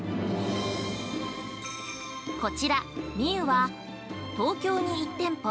◆こちら美虎は東京に１店舗